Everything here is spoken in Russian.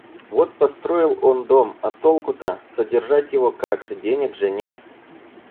Вот построил он дом, а толку-то? Содержать его как, денег же нет.